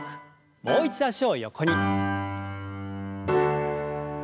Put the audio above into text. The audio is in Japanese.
もう一度脚を横に。